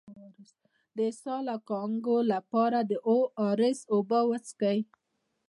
د اسهال او کانګو لپاره د او ار اس اوبه وڅښئ